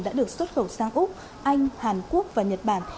đã được xuất khẩu sang úc anh hàn quốc và nhật bản